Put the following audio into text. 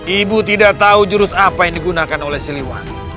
ibu tidak tahu jurus apa yang digunakan oleh siliwangi